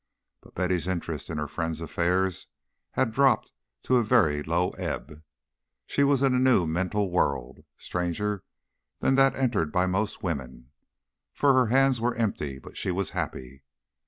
But Betty's interest in her friends' affairs had dropped to a very low ebb. She was in a new mental world, stranger than that entered by most women, for her hands were empty, but she was happy.